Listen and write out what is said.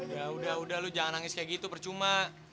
ya udah udah lu jangan nangis kayak gitu percuma